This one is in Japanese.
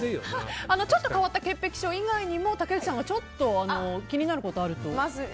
ちょっと変わった潔癖症以外にも、竹内さんが気になることがあると。